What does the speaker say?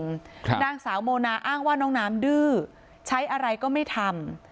ครับนางสาวโมนาอ้างว่าน้องน้ำดื้อใช้อะไรก็ไม่ทำ